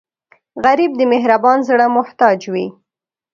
غریب د مهربان زړه محتاج وي